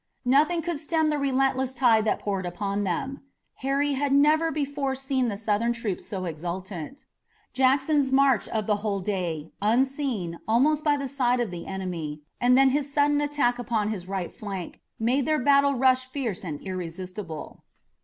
Nothing could stem the relentless tide that poured upon them. Harry had never before seen the Southern troops so exultant. Jackson's march of a whole day, unseen, almost by the side of the enemy, and then his sudden attack upon his right flank, made their battle rush fierce and irresistible.